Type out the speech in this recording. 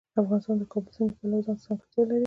افغانستان د د کابل سیند د پلوه ځانته ځانګړتیا لري.